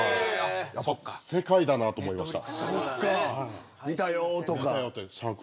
世界だなと思いました。